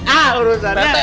aduh rete panik ya